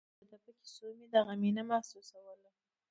خو د ده په کيسو مې دغه مينه محسوسوله.